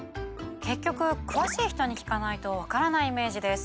結局詳しい人に聞かないとわからないイメージです。